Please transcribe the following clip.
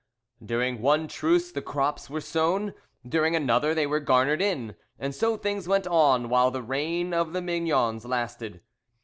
During one truce the crops were sown, during another they were garnered in, and so things went on while the reign of the Mignons lasted.